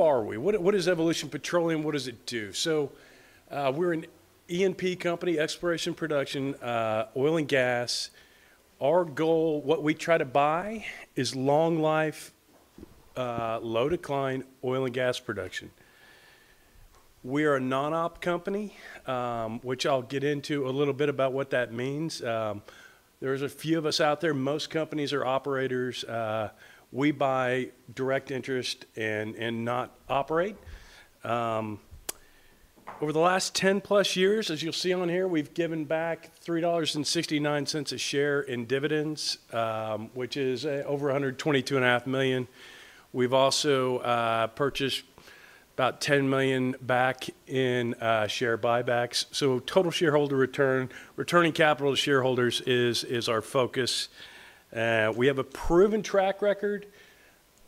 Who are we? What is Evolution Petroleum? What does it do? So, we're an E&P company, exploration production, oil and gas. Our goal, what we try to buy, is long-life, low-decline oil and gas production. We are a non-op company, which I'll get into a little bit about what that means. There are a few of us out there. Most companies are operators. We buy direct interest and not operate. Over the last 10-plus years, as you'll see on here, we've given back $3.69 a share in dividends, which is over $122.5 million. We've also purchased about $10 million back in share buybacks. So, total shareholder return, returning capital to shareholders is our focus. We have a proven track record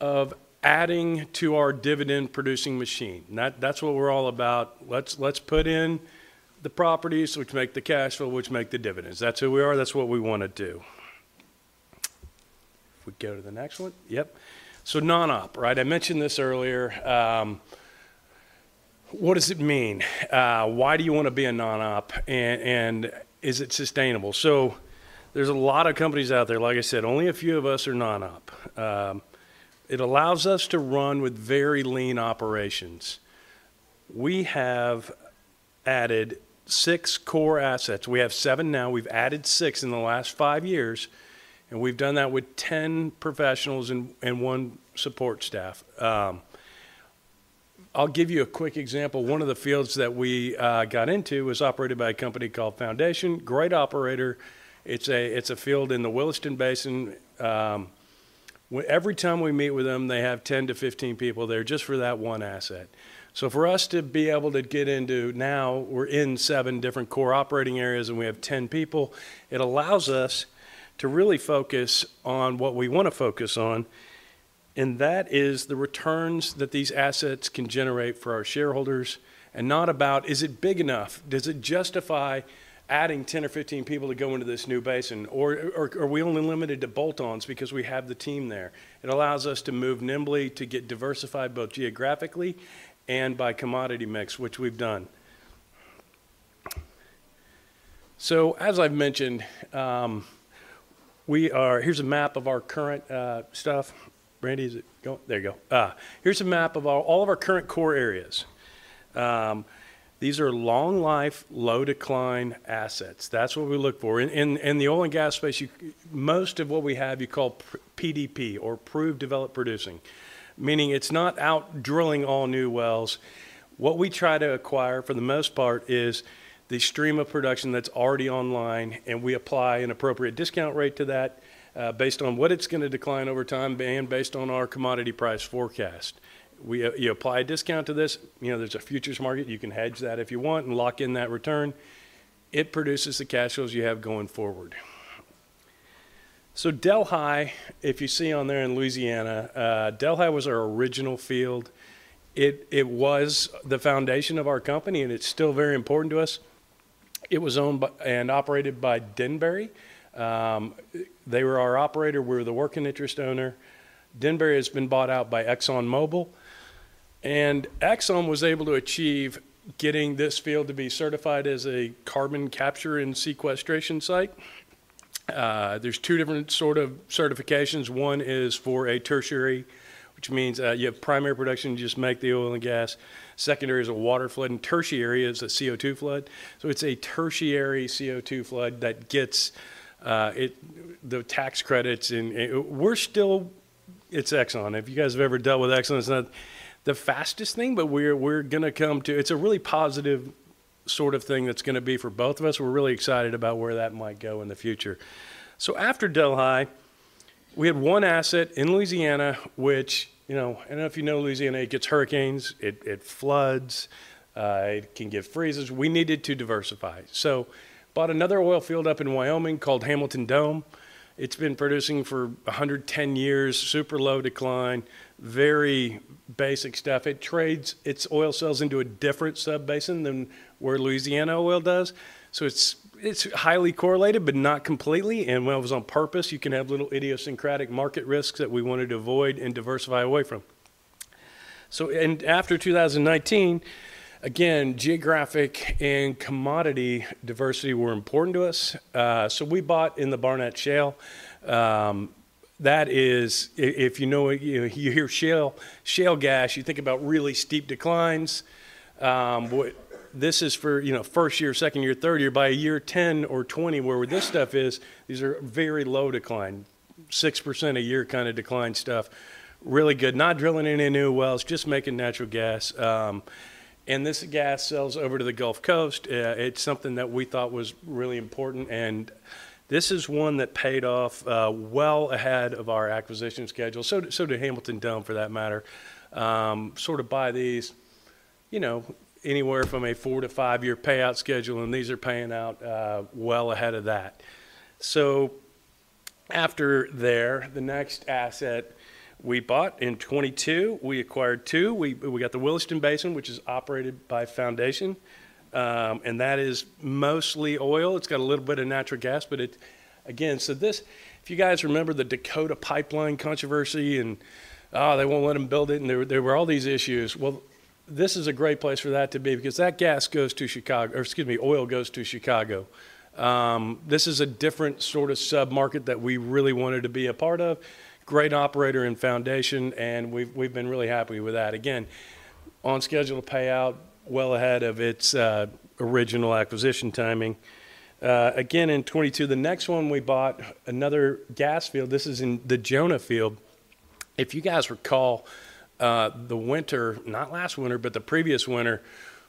of adding to our dividend-producing machine. That's what we're all about. Let's put in the properties which make the cash flow, which make the dividends. That's who we are. That's what we want to do. If we go to the next one. Yep. So, non-op, right? I mentioned this earlier. What does it mean? Why do you want to be a non-op? And is it sustainable? So, there's a lot of companies out there. Like I said, only a few of us are non-op. It allows us to run with very lean operations. We have added six core assets. We have seven now. We've added six in the last five years. And we've done that with 10 professionals and one support staff. I'll give you a quick example. One of the fields that we got into was operated by a company called Foundation. Great operator. It's a field in the Williston Basin. Every time we meet with them, they have 10 to 15 people there just for that one asset. So, for us to be able to get into now, we're in seven different core operating areas, and we have 10 people. It allows us to really focus on what we want to focus on. And that is the returns that these assets can generate for our shareholders. And not about, is it big enough? Does it justify adding 10 or 15 people to go into this new basin? Or are we only limited to bolt-ons because we have the team there? It allows us to move nimbly, to get diversified both geographically and by commodity mix, which we've done. So, as I've mentioned, here's a map of our current stuff. Brandy, is it going? There you go. Here's a map of all of our current core areas. These are long-life, low-decline assets. That's what we look for. In the oil and gas space, most of what we have we call PDP, or proved developed producing, meaning it's not about drilling all new wells. What we try to acquire, for the most part, is the stream of production that's already online. And we apply an appropriate discount rate to that based on what it's going to decline over time and based on our commodity price forecast. You apply a discount to this. There's a futures market. You can hedge that if you want and lock in that return. It produces the cash flows you have going forward. So, Delhi, if you see on there in Louisiana, Delhi was our original field. It was the foundation of our company, and it's still very important to us. It was owned and operated by Denbury. They were our operator. We were the working interest owner. Denbury has been bought out by ExxonMobil. And Exxon was able to achieve getting this field to be certified as a carbon capture and sequestration site. There's two different sort of certifications. One is for a tertiary, which means you have primary production. You just make the oil and gas. Secondary is a water flood. And tertiary is a CO2 flood. So, it's a tertiary CO2 flood that gets the tax credits. And we're still, it's Exxon. If you guys have ever dealt with Exxon, it's not the fastest thing, but we're going to come to, it's a really positive sort of thing that's going to be for both of us. We're really excited about where that might go in the future. So, after Delhi, we had one asset in Louisiana, which, you know, I don't know if you know Louisiana. It gets hurricanes. It floods. It can get freezes. We needed to diversify. So, bought another oil field up in Wyoming called Hamilton Dome. It's been producing for 110 years, super low decline, very basic stuff. It sells its oil into a different sub-basin than where Louisiana oil does. So, it's highly correlated, but not completely. And when it was on purpose, you can have little idiosyncratic market risks that we wanted to avoid and diversify away from. So, after 2019, again, geographic and commodity diversity were important to us. So, we bought in the Barnett Shale. That is, if you know, you hear shale, shale gas, you think about really steep declines. This is for, you know, first year, second year, third year. By year 10 or 20, what this stuff is, these are very low decline, 6% a year kind of decline stuff. Really good. Not drilling any new wells, just making natural gas. This gas sells over to the Gulf Coast. It's something that we thought was really important. This is one that paid off well ahead of our acquisition schedule. To Hamilton Dome, for that matter, sort of buy these, you know, anywhere from a four- to five-year payout schedule. These are paying out well ahead of that. After there, the next asset we bought in 2022, we acquired two. We got the Williston Basin, which is operated by Foundation. That is mostly oil. It's got a little bit of natural gas. But again, so this, if you guys remember the Dakota Pipeline controversy and, oh, they won't let them build it. There were all these issues. This is a great place for that to be because that gas goes to Chicago, or excuse me, oil goes to Chicago. This is a different sort of sub-market that we really wanted to be a part of. Great operator and Foundation. And we've been really happy with that. Again, on schedule to pay out well ahead of its original acquisition timing. Again, in 2022, the next one we bought, another gas field. This is in the Jonah Field. If you guys recall, the winter, not last winter, but the previous winter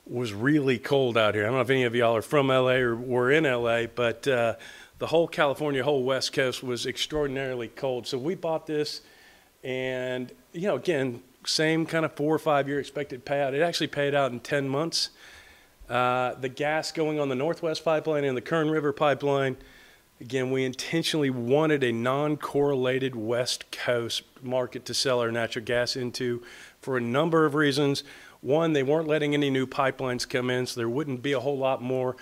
was really cold out here. I don't know if any of y'all are from LA or were in LA, but the whole California, whole West Coast was extraordinarily cold. So, we bought this. And, you know, again, same kind of four or five-year expected payout. It actually paid out in 10 months. The gas going on the Northwest Pipeline and the Kern River Pipeline, again, we intentionally wanted a non-correlated West Coast market to sell our natural gas into for a number of reasons. One, they weren't letting any new pipelines come in, so there wouldn't be a whole lot more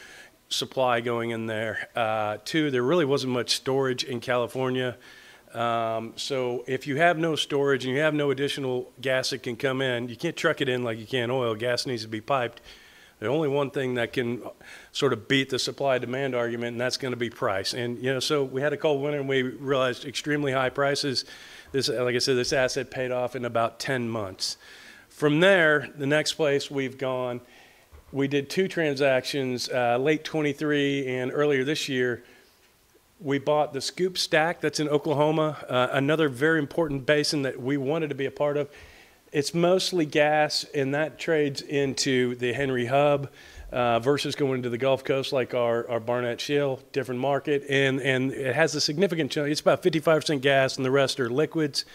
supply going in there. Two, there really wasn't much storage in California. So, if you have no storage and you have no additional gas that can come in, you can't truck it in like you can oil. Gas needs to be piped. The only one thing that can sort of beat the supply-demand argument, and that's going to be price. And, you know, so we had a cold winter, and we realized extremely high prices. Like I said, this asset paid off in about 10 months. From there, the next place we've gone, we did two transactions, late 2023 and earlier this year. We bought the SCOOP/STACK that's in Oklahoma, another very important basin that we wanted to be a part of. It's mostly gas, and that trades into the Henry Hub versus going to the Gulf Coast like our Barnett Shale, different market. It has a significant challenge. It's about 55% gas, and the rest are liquids.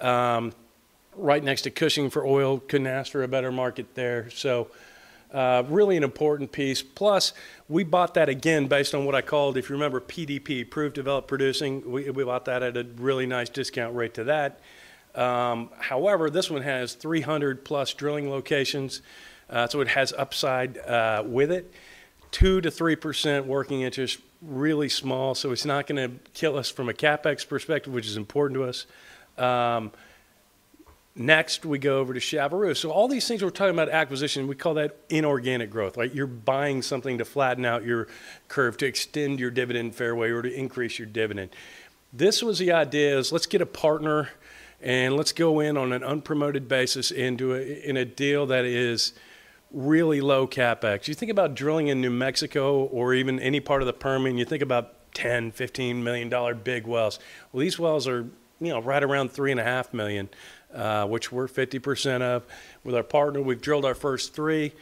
Right next to Cushing for oil, couldn't ask for a better market there. So, really an important piece. Plus, we bought that again based on what I called, if you remember, PDP, Proved Developed Producing. We bought that at a really nice discount rate to that. However, this one has 300-plus drilling locations. So, it has upside with it. 2% to 3% working interest, really small. So, it's not going to kill us from a CapEx perspective, which is important to us. Next, we go over to Chaveroo. So, all these things we're talking about acquisition, we call that inorganic growth, right? You're buying something to flatten out your curve, to extend your dividend fairway, or to increase your dividend. This was the idea is, let's get a partner and let's go in on an unpromoted basis and do it in a deal that is really low CapEx. You think about drilling in New Mexico or even any part of the Perm, and you think about $10-$15 million big wells. Well, these wells are, you know, right around $3.5 million, which we're 50% of. With our partner, we've drilled our first three,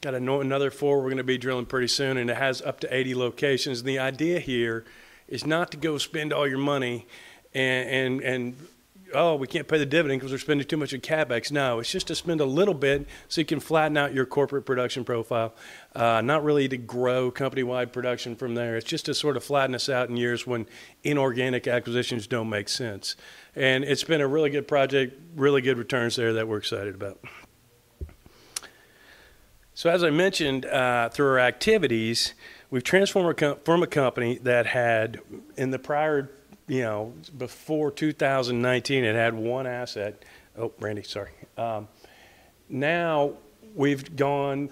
got another four we're going to be drilling pretty soon, and it has up to 80 locations. And the idea here is not to go spend all your money and, oh, we can't pay the dividend because we're spending too much in CapEx. No, it's just to spend a little bit so you can flatten out your corporate production profile. Not really to grow company-wide production from there. It's just to sort of flatten us out in years when inorganic acquisitions don't make sense. And it's been a really good project, really good returns there that we're excited about. So, as I mentioned, through our activities, we've transformed a company that had, in the prior, you know, before 2019, it had one asset. Oh, Brandy, sorry. Now we've gone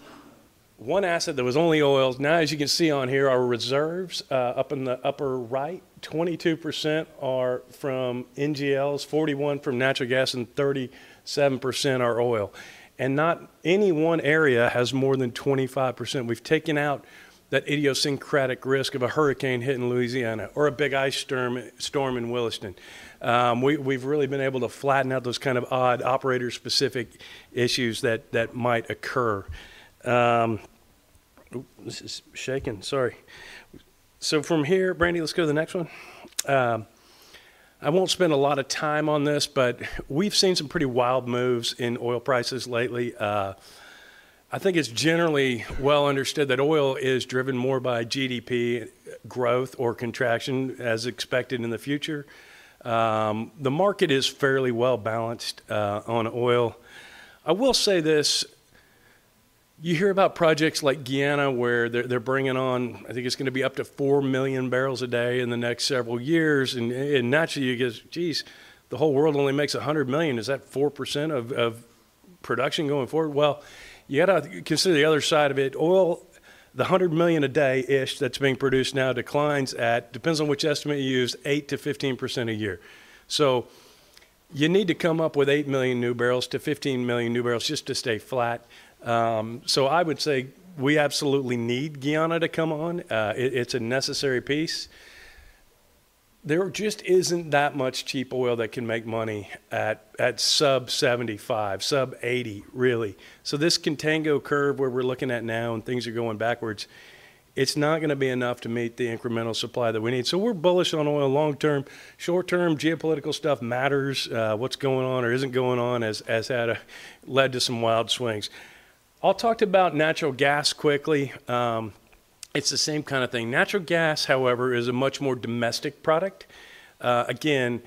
one asset that was only oil. Now, as you can see on here, our reserves up in the upper right, 22% are from NGLs, 41% from natural gas, and 37% are oil. And not any one area has more than 25%. We've taken out that idiosyncratic risk of a hurricane hitting Louisiana or a big ice storm in Williston. We've really been able to flatten out those kind of odd operator-specific issues that might occur. This is shaking. Sorry. So, from here, Brandy, let's go to the next one. I won't spend a lot of time on this, but we've seen some pretty wild moves in oil prices lately. I think it's generally well understood that oil is driven more by GDP growth or contraction as expected in the future. The market is fairly well balanced on oil. I will say this. You hear about projects like Guyana where they're bringing on, I think it's going to be up to 4 million barrels a day in the next several years. And naturally, you get, geez, the whole world only makes 100 million. Is that 4% of production going forward? Well, you got to consider the other side of it. Oil, the 100 million a day-ish that's being produced now declines at, depends on which estimate you use, 8%-15% a year. So, you need to come up with 8 million-15 million new barrels just to stay flat. So, I would say we absolutely need Guyana to come on. It's a necessary piece. There just isn't that much cheap oil that can make money at sub-$75, sub-$80, really. So, this contango curve where we're looking at now and things are going backwards, it's not going to be enough to meet the incremental supply that we need. So, we're bullish on oil long-term. Short-term geopolitical stuff matters. What's going on or isn't going on has led to some wild swings. I'll talk to you about natural gas quickly. It's the same kind of thing. Natural gas, however, is a much more domestic product. Again,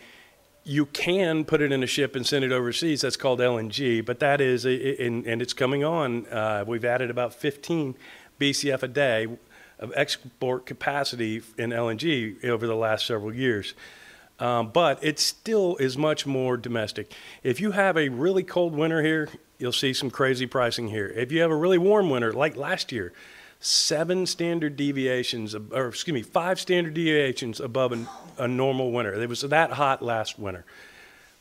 you can put it in a ship and send it overseas. That's called LNG. But that is, and it's coming on. We've added about 15 BCF a day of export capacity in LNG over the last several years. But it still is much more domestic. If you have a really cold winter here, you'll see some crazy pricing here. If you have a really warm winter, like last year, seven standard deviations, or excuse me, five standard deviations above a normal winter. It was that hot last winter.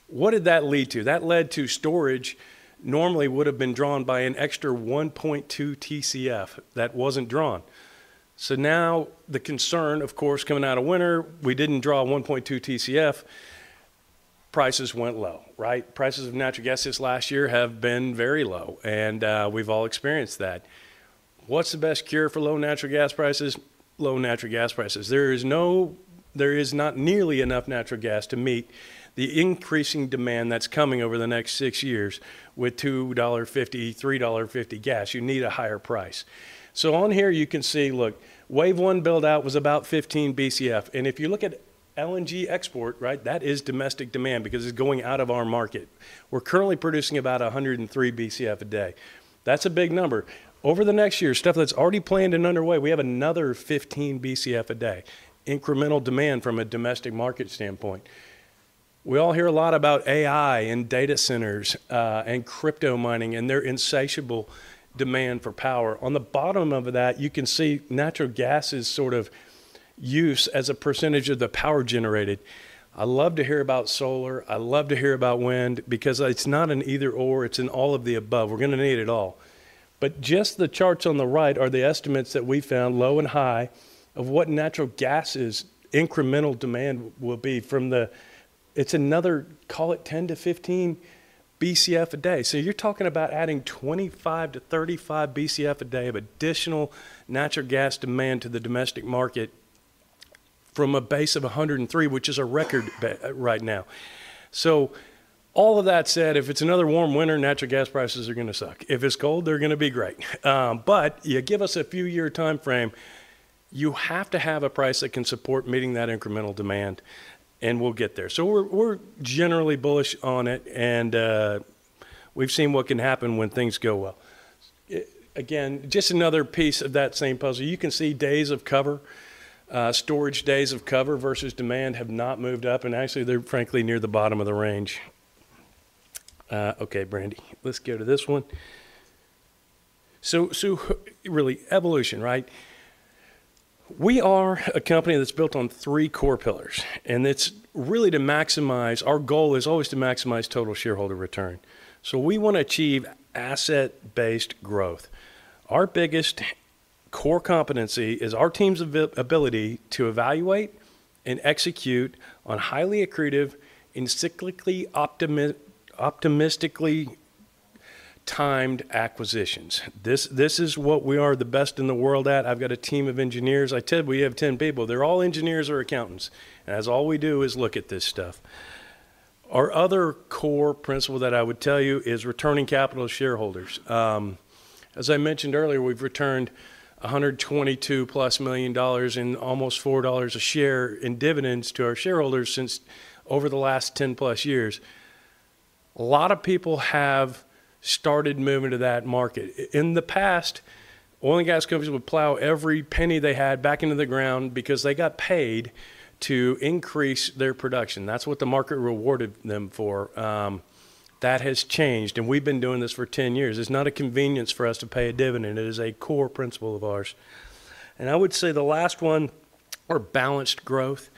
What did that lead to? That led to storage normally would have been drawn by an extra 1.2 TCF that wasn't drawn. So, now the concern, of course, coming out of winter, we didn't draw 1.2 TCF, prices went low, right? Prices of natural gas this last year have been very low. And we've all experienced that. What's the best cure for low natural gas prices? Low natural gas prices. There is not nearly enough natural gas to meet the increasing demand that's coming over the next six years with $2.50, $3.50 gas. You need a higher price. So, on here, you can see, look, wave one buildout was about 15 BCF. And if you look at LNG export, right, that is domestic demand because it's going out of our market. We're currently producing about 103 BCF a day. That's a big number. Over the next year, stuff that's already planned and underway, we have another 15 BCF a day. Incremental demand from a domestic market standpoint. We all hear a lot about AI and data centers and crypto mining and their insatiable demand for power. On the bottom of that, you can see natural gas's sort of use as a percentage of the power generated. I love to hear about solar. I love to hear about wind because it's not an either/or. It's an all of the above. We're going to need it all, but just the charts on the right are the estimates that we found low and high of what natural gas's incremental demand will be from the, it's another, call it 10-15 BCF a day, so you're talking about adding 25 to 35 BCF a day of additional natural gas demand to the domestic market from a base of 103, which is a record right now, so all of that said, if it's another warm winter, natural gas prices are going to suck. If it's cold, they're going to be great. But you give us a few-year time frame. You have to have a price that can support meeting that incremental demand, and we'll get there. So, we're generally bullish on it, and we've seen what can happen when things go well. Again, just another piece of that same puzzle. You can see days of cover. Storage days of cover versus demand have not moved up. And actually, they're frankly near the bottom of the range. Okay, Brandy, let's go to this one. So, really, Evolution, right? We are a company that's built on three core pillars. And it's really to maximize. Our goal is always to maximize total shareholder return. So, we want to achieve asset-based growth. Our biggest core competency is our team's ability to evaluate and execute on highly accretive, counter-cyclically optimistically timed acquisitions. This is what we are the best in the world at. I've got a team of engineers. I tell you, we have 10 people. They're all engineers or accountants. And that's all we do is look at this stuff. Our other core principle that I would tell you is returning capital to shareholders. As I mentioned earlier, we've returned $122-plus million dollars in almost $4 a share in dividends to our shareholders since over the last 10-plus years. A lot of people have started moving to that market. In the past, oil and gas companies would plow every penny they had back into the ground because they got paid to increase their production. That's what the market rewarded them for. That has changed. And we've been doing this for 10 years. It's not a convenience for us to pay a dividend. It is a core principle of ours. And I would say the last one or balanced growth.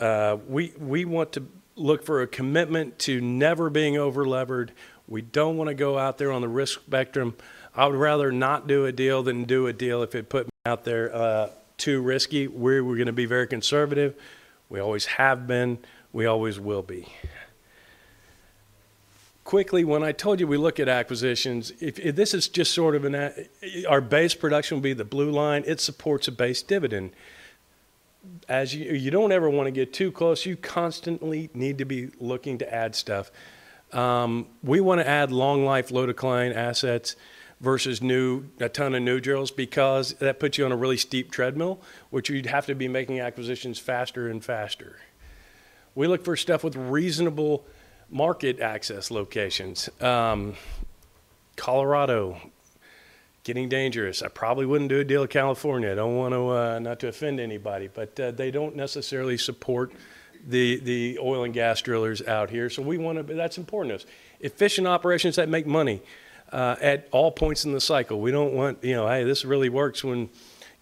We want to look for a commitment to never being over-levered. We don't want to go out there on the risk spectrum. I would rather not do a deal than do a deal if it put me out there too risky. We're going to be very conservative. We always have been. We always will be. Quickly, when I told you we look at acquisitions, this is just sort of an, our base production will be the blue line. It supports a base dividend. You don't ever want to get too close. You constantly need to be looking to add stuff. We want to add long-life, low-decline assets versus a ton of new drills because that puts you on a really steep treadmill, which you'd have to be making acquisitions faster and faster. We look for stuff with reasonable market access locations. Colorado, getting dangerous. I probably wouldn't do a deal with California. I don't want to, not to offend anybody, but they don't necessarily support the oil and gas drillers out here. So, we want to, that's important to us. Efficient operations that make money at all points in the cycle. We don't want, you know, hey, this really works when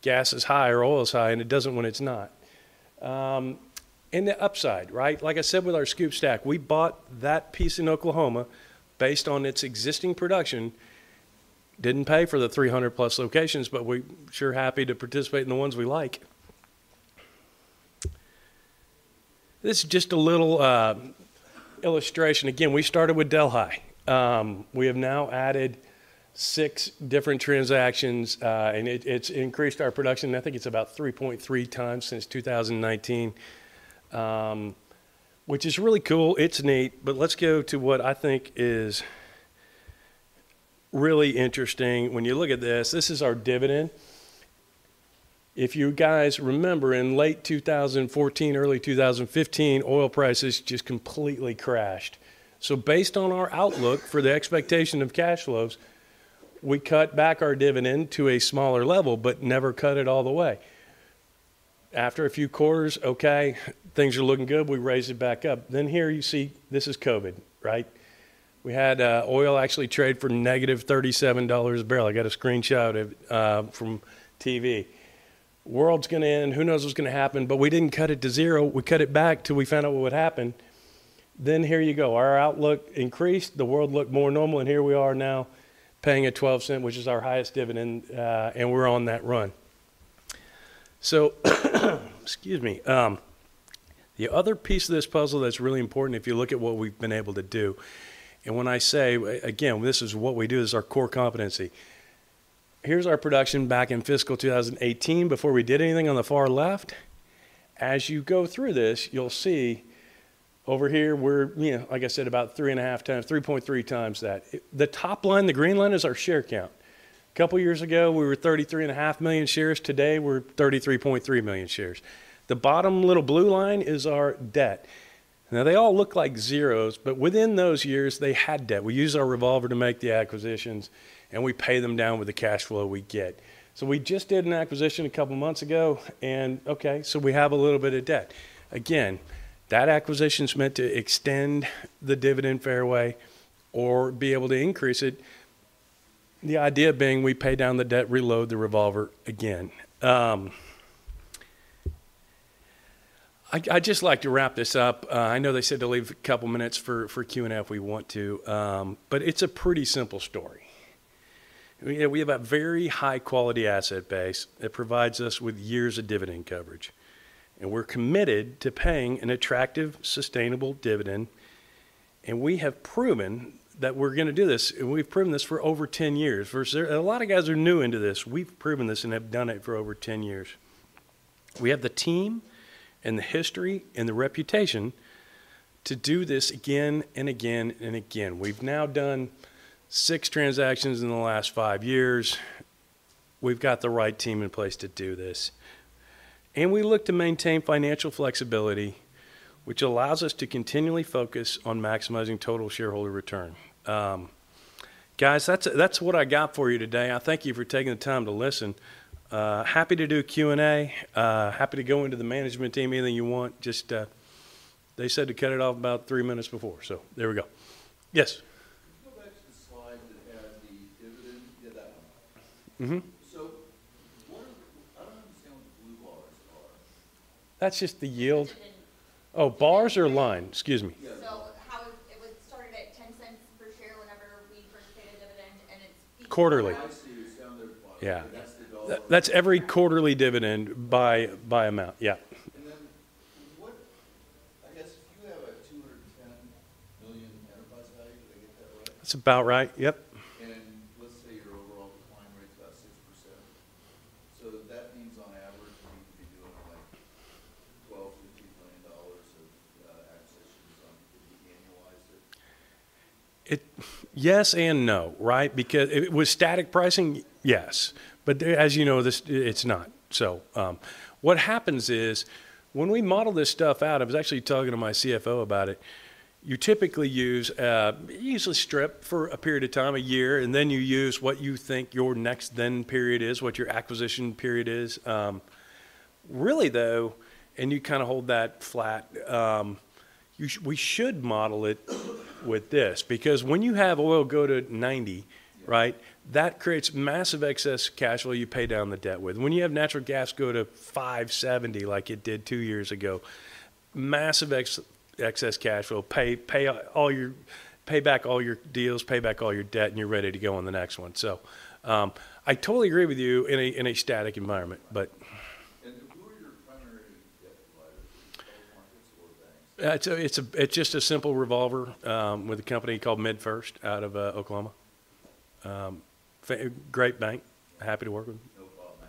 gas is high or oil is high, and it doesn't when it's not. And the upside, right? Like I said with our SCOOP/STACK, we bought that piece in Oklahoma based on its existing production. Didn't pay for the 300-plus locations, but we're sure happy to participate in the ones we like. This is just a little illustration. Again, we started with Delhi. We have now added six different transactions, and it's increased our production. I think it's about 3.3 times since 2019, which is really cool. It's neat. But let's go to what I think is really interesting. When you look at this, this is our dividend. If you guys remember, in late 2014, early 2015, oil prices just completely crashed. So, based on our outlook for the expectation of cash flows, we cut back our dividend to a smaller level, but never cut it all the way. After a few quarters, okay, things are looking good. We raise it back up. Then here you see, this is COVID, right? We had oil actually trade for negative $37 a barrel. I got a screenshot of it from TV. World's going to end. Who knows what's going to happen? But we didn't cut it to zero. We cut it back till we found out what would happen. Then here you go. Our outlook increased. The world looked more normal. Here we are now paying a $0.12, which is our highest dividend, and we're on that run. Excuse me. The other piece of this puzzle that's really important if you look at what we've been able to do. When I say, again, this is what we do is our core competency. Here's our production back in fiscal 2018 before we did anything on the far left. As you go through this, you'll see over here, we're, you know, like I said, about three and a half times, 3.3 times that. The top line, the green line is our share count. A couple of years ago, we were 33.5 million shares. Today, we're 33.3 million shares. The bottom little blue line is our debt. Now, they all look like zeros, but within those years, they had debt. We use our revolver to make the acquisitions, and we pay them down with the cash flow we get. So, we just did an acquisition a couple of months ago, and okay, so we have a little bit of debt. Again, that acquisition's meant to extend the dividend fairway or be able to increase it. The idea being, we pay down the debt, reload the revolver again. I'd just like to wrap this up. I know they said to leave a couple of minutes for Q&A if we want to, but it's a pretty simple story. We have a very high-quality asset base that provides us with years of dividend coverage. And we're committed to paying an attractive, sustainable dividend. And we have proven that we're going to do this. And we've proven this for over 10 years. A lot of guys are new into this. We've proven this and have done it for over 10 years. We have the team and the history and the reputation to do this again and again and again. We've now done six transactions in the last five years. We've got the right team in place to do this, and we look to maintain financial flexibility, which allows us to continually focus on maximizing total shareholder return. Guys, that's what I got for you today. I thank you for taking the time to listen. Happy to do Q&A. Happy to go into the management team, anything you want. Just, they said to cut it off about three minutes before, so there we go. Yes. Can you go back to the slide that had the dividend? Yeah, that one. So. I don't understand what the blue bars are. That's just the yield. Oh, bars or line? Excuse me. So, it started at $0.10 per share whenever we first paid a dividend and it's Quarterly. I see it's down there by. Yeah. That's every quarterly dividend by amount. Yeah. And then what, I guess, you have a $210 million enterprise value. Did I get that right? That's about right. Yep. And let's say your overall decline rate's about 6%. So, that means on average, you need to be doing like $12-$15 million of acquisitions on annualized it. Yes and no, right? Because with static pricing, yes. But as you know, it's not. So, what happens is when we model this stuff out, I was actually talking to my CFO about it. You typically use, you usually strip for a period of time, a year, and then you use what you think your next ten-year period is, what your acquisition period is. Really though, and you kind of hold that flat, we should model it with this. Because when you have oil go to 90, right, that creates massive excess cash flow you pay down the debt with. When you have natural gas go to 570, like it did two years ago, massive excess cash flow, pay back all your deals, pay back all your debt, and you're ready to go on the next one. So, I totally agree with you in a static environment, but. And who are your primary debt providers? Are they public markets or banks? It's just a simple revolver with a company called MidFirst out of Oklahoma. Great bank. Happy to work with them. No bond markets company.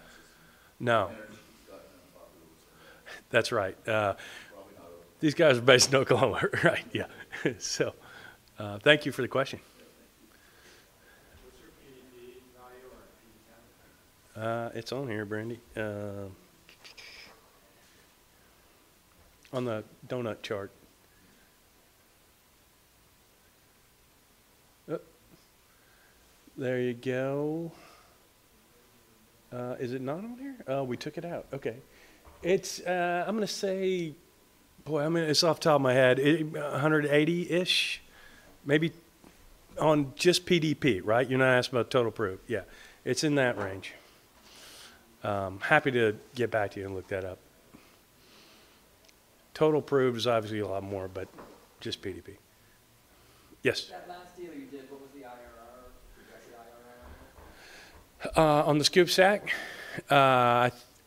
No. Energy's got no public issuance. That's right. Probably not. These guys are based in Oklahoma, right? Yeah. So, thank you for the question. What's your PDP value or PV-10? It's on here, Brandy. On the donut chart. There you go. Is it not on here? Oh, we took it out. Okay. It's, I'm going to say, boy, I mean, it's off the top of my head, 180-ish, maybe on just PDP, right? You're not asking about total proved. Yeah. It's in that range. Happy to get back to you and look that up. Total proved is obviously a lot more, but just PDP. Yes. That last deal you did, what was the IRR, projected IRR on that? On the SCOOP/STACK?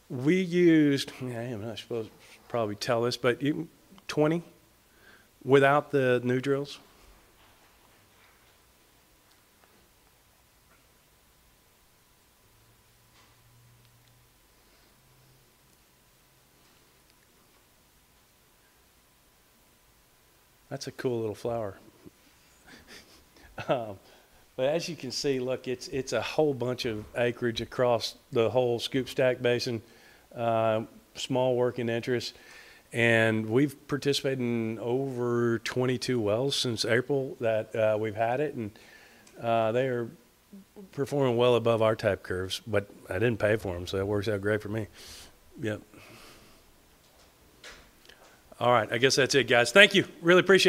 We used, I suppose probably tell this, but 20 without the new drills. That's a cool little flower. But as you can see, look, it's a whole bunch of acreage across the whole SCOOP/STACK basin, small working interests. And we've participated in over 22 wells since April that we've had it. They are performing well above our type curves. But I didn't pay for them, so that works out great for me. Yep. All right. I guess that's it, guys. Thank you. Really appreciate it.